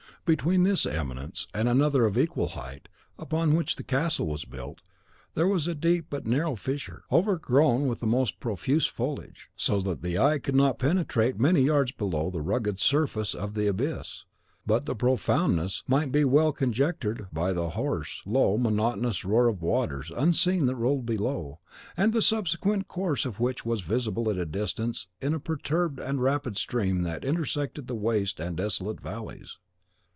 Between this eminence and another of equal height, upon which the castle was built, there was a deep but narrow fissure, overgrown with the most profuse foliage, so that the eye could not penetrate many yards below the rugged surface of the abyss; but the profoundness might be well conjectured by the hoarse, low, monotonous roar of waters unseen that rolled below, and the subsequent course of which was visible at a distance in a perturbed and rapid stream that intersected the waste and desolate valleys.